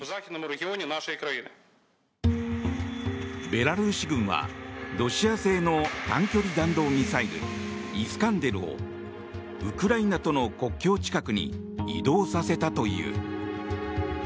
ベラルーシ軍はロシア製の短距離弾道ミサイルイスカンデルをウクライナとの国境近くに移動させたという。